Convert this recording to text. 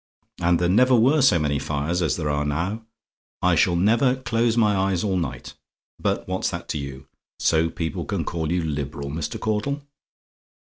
And there never were so many fires as there are now. I shall never close my eyes all night, but what's that to you, so people can call you liberal, Mr. Caudle?